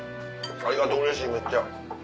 ありがとううれしいめっちゃ。